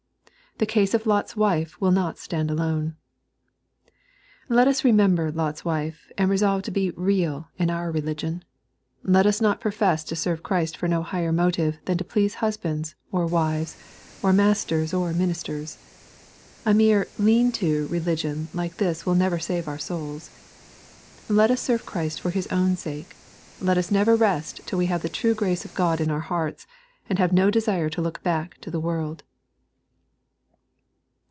The case of Lot's wife will not stand alone. Let us remember Lot's wife, and resolve to be real in our religion. Let us not profess to serve Christ for no higher motive than to please husbands, or wives, or masters, or ministers. A mere lean to religion like this will never save our souls. Let us serve Christ for His own sake. Let us never rest till we have the true grace of God in our hearts, and have no desire to look back to the world.